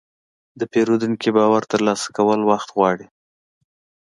د پیرودونکي باور ترلاسه کول وخت غواړي.